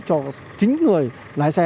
cho chính người lái xe